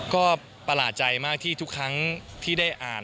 ก็ประหลาดใจมากที่ทุกครั้งที่ได้อ่าน